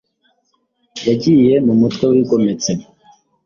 yagiye mu mutwe wigometse